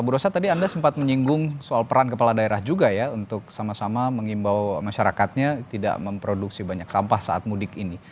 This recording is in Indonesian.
bu rosa tadi anda sempat menyinggung soal peran kepala daerah juga ya untuk sama sama mengimbau masyarakatnya tidak memproduksi banyak sampah saat mudik ini